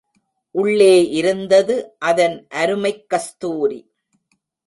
உள்ளே இருந்தது, அதன் அருமைக் கஸ்தூரி!